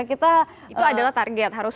itu adalah target harus lima puluh